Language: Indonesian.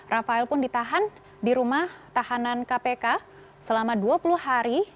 rafael pun ditahan di rumah tahanan kpk selama dua puluh hari